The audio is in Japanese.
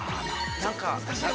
何か。